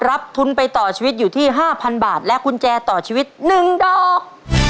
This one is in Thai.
รับทุนไปต่อชีวิตอยู่ที่๕๐๐บาทและกุญแจต่อชีวิต๑ดอก